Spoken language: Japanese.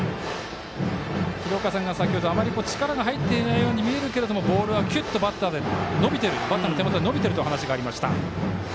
あまり力が入っていないように見えますがボールはキュッとバッターの手元で伸びているという話がありました。